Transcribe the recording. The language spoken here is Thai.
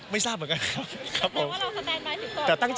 ไม่ทราบเหมือนกันครับครับผม